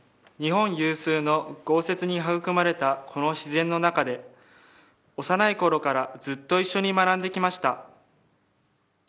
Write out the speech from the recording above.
日本有数の豪雪に育まれたこの自然の中で幼い頃からずっと一緒に学んできました。